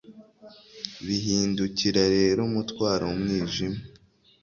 bihindukira rero umutwaro umwijima